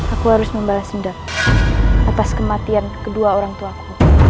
aku harus membalas hendak atas kematian kedua orangtuaku